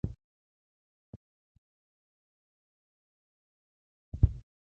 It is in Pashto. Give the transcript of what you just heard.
دوی له لمر سره نژدې کېدو سره ګازونه رڼا کوي.